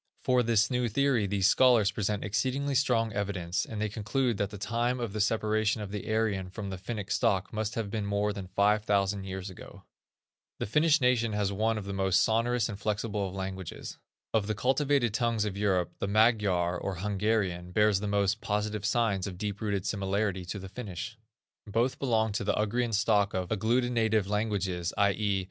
For this new theory these scholars present exceedingly strong evidence, and they conclude that the time of the separation of the Aryan from the Finnic stock must have been more than five thousand years ago. The Finnish nation has one of the most sonorous and flexible of languages. Of the cultivated tongues of Europe, the Magyar, or Hungarian, bears the most positive signs of a deep rooted similarity to the Finnish. Both belong to the Ugrian stock of agglutinative languages, i.e.